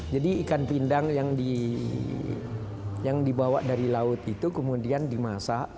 jadi ikan pindang yang dibawa dari laut itu kemudian dimasak